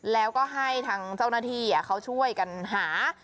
แล้วก็ให้ทางเจ้าหน้าที่เขาช่วยกันหา